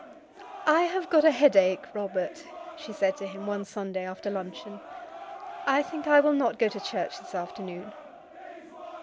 "I have got a headache, Robert," she said to him one Sunday after luncheon. "I think I will not go to church this afternoon."